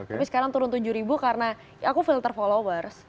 tapi sekarang turun tujuh ribu karena ya aku filter followers